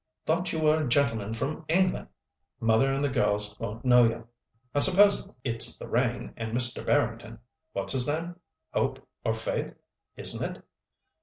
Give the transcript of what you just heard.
Thought you were a gentleman from England. Mother and the girls won't know you. I suppose it's the rain, and Mr. Barrington—what's his name, Hope or Faith, isn't it?